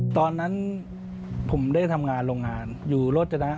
ตอนนั้นผมได้ทำงานโรงงานอยู่โรจนะ